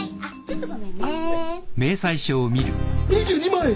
２２万円！？